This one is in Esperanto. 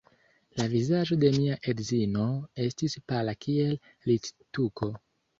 La vizaĝo de mia edzino estis pala kiel littuko.